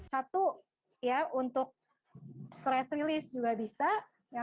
satu ya untuk stress release juga bisa